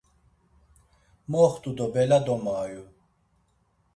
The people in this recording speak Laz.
Moxtu do bela domayu.